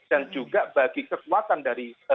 dan juga bagi kesuatan dari